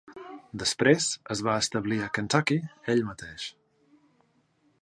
Després es va establir a Kentucky ell mateix.